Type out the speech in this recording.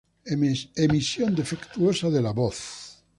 Emisión defectuosa de la voz.